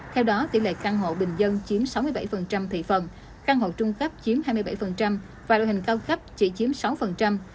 theo đó tỷ lệ căn hộ bình dân chiếm sáu mươi bảy thị phần căn hộ trung cấp chiếm hai mươi bảy và đội hình cao cấp chỉ chiếm sáu